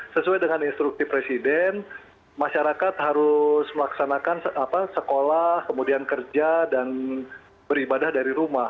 sesuai dengan instruksi presiden masyarakat harus melaksanakan sekolah kemudian kerja dan beribadah dari rumah